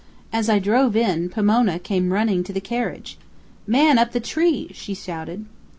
As I drove in, Pomona came running to the carriage. "Man up the tree!" she shouted.